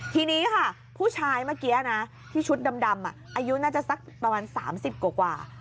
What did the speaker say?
ทีนี้ค่ะผู้ชายเมื่อกี้นะที่ชุดดำอายุน่าจะสักประมาณ๓๐กว่า